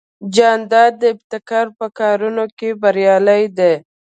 جانداد د ابتکار په کارونو کې بریالی دی.